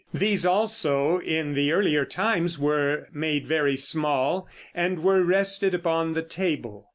These also, in the earlier times, were made very small, and were rested upon the table.